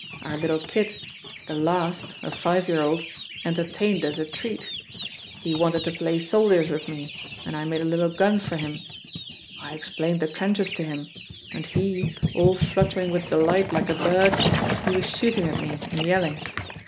Our little kid, the last, a five year old, entertained us a treat. He wanted to play soldiers with me, and I made a little gun for him. I explained the trenches to him; and he, all fluttering with delight like a bird, he was shooting at me and yelling.